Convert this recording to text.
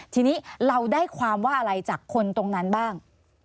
ทีนี้เราได้ความว่าอะไรจากคนตรงนั้นบ้าง